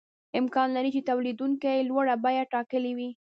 امکان لري چې تولیدونکي لوړه بیه ټاکلې وي